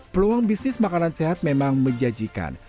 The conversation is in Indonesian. peluang bisnis makanan sehat memang menjanjikan